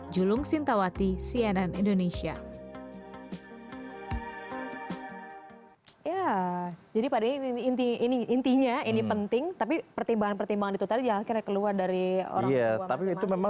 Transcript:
julung sintawati cnn indonesia